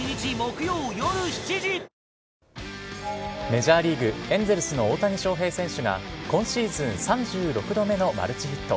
メジャーリーグ・エンゼルスの大谷翔平選手が、今シーズン３６度目のマルチヒット。